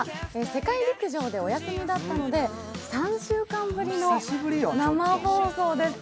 世界陸上でお休みだったので３週間ぶりの生放送です。